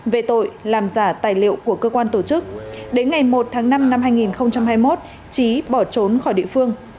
về tội làm giả tài liệu của cơ quan tổ chức đến ngày một tháng năm năm hai nghìn hai mươi một trí bỏ trốn khỏi địa phương